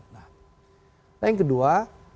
nah yang kedua